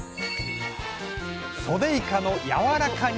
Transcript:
「ソデイカのやわらか煮」